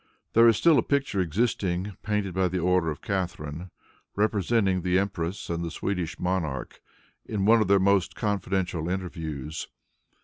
There is still a picture existing, painted by order of Catharine, representing the empress and the Swedish monarch in one of their most confidential interviews.